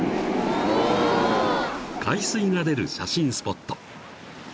［海水が出る写真スポット］